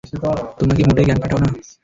তোমরা কি মোটেই জ্ঞান খাটাও না?